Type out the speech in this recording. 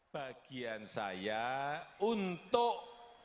bagian saya untuk